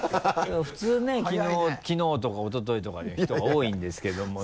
普通ねきのうとかおとといとかの人が多いんですけどもね。